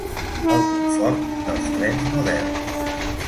El confort dels trens moderns.